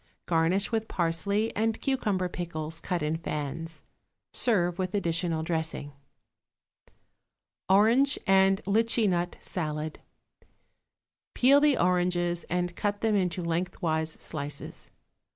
Garnish with parsley and cucumber pickles cut in fans. Serve with additional dressing. =Orange and Litchi Nut Salad.= Peel the oranges and cut them into lengthwise slices.